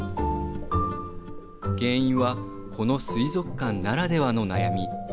原因はこの水族館ならではの悩み。